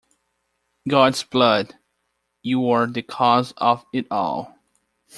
God's blood, you are the cause of it all!